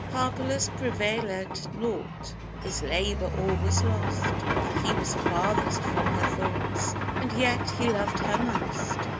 Harpalus prevailèd nought; His labour all was lost; For he was farthest from her thoughts, And yet he loved her most.